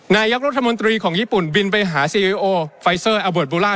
นายกรัฐมนตรีของญี่ปุ่นบินไปหาซีเอโอไฟเซอร์อัลเบิร์ตบูล่า